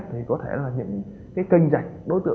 thì có thể là những kênh dạch